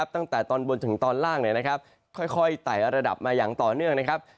ตั้งแต่ตอนบนถึงตอนล่างค่อยไต่ระดับมาอย่างต่อเนื่องนะครับ